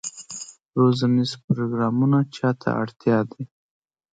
روزنیز پروګرامونه چا ته اړتیا دي؟